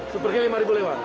sepertinya rp lima lewat